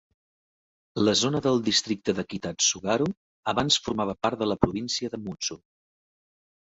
La zona del districte de Kitatsugaru abans formava part de la província de Mutsu.